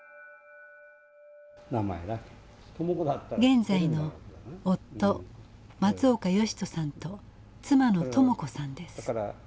現在の夫松岡義人さんと妻の朋子さんです。